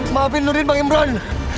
maafin nurdin bang imran